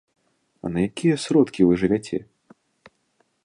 А на якія сродкі вы жывяце?